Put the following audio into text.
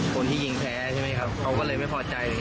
เขาก็เลยไม่พอใจ